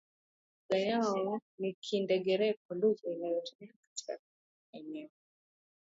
Lugha yao ni Kindengereko lugha inayotumika sana katika eneo lao